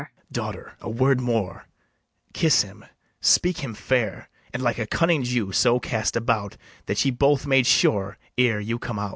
Daughter, a word more: kiss him, speak him fair, And like a cunning Jew so cast about, That ye be both made sure ere you come out.